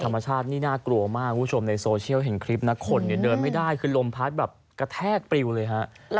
ทันท่าภาษานี้น่ากลัวมากคุณผู้ชมในโซเชียลเห็นคลิปนักขนเดินไม่ได้คืลมพลาสกระแทกปริวเลย